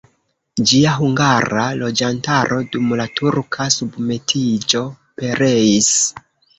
Ĝia hungara loĝantaro dum la turka submetiĝo pereis.